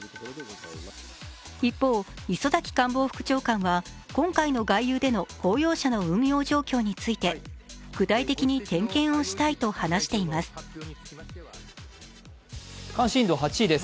一方、磯崎官房副長官は今回の外遊での公用車の運用状況について、具体的に点検をしたいと話しています。